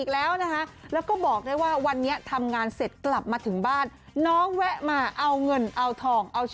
ตัวเลขเหลือหลั่งมาก